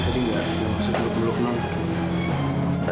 aku tadi gak ada yang maksud dulu dulu ke nol